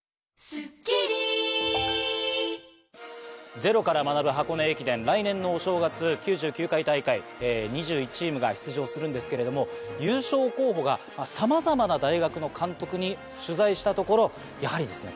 ゼロから学ぶ箱根駅伝来年のお正月９９回大会２１チームが出場するんですけれども優勝候補がさまざまな大学の監督に取材したところやはりですね